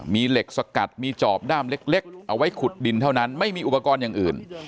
มีเหล็กสกัดมีจอบด้ามเล็กเอาไว้ขุดดินเท่านั้นไม่มีอุปกรณ์อย่างอื่น